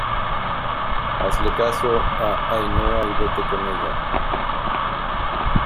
hazle caso a Ainhoa y vete con ella